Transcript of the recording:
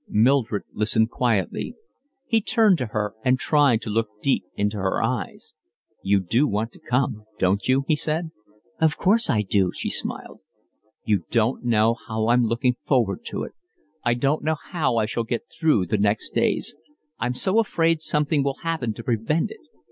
Mildred listened quietly. He turned to her and tried to look deep into her eyes. "You do want to come, don't you?" he said. "Of course I do," she smiled. "You don't know how I'm looking forward to it. I don't know how I shall get through the next days. I'm so afraid something will happen to prevent it.